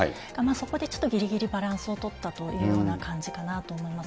そこでちょっとぎりぎりバランスを取ったというような感じかなと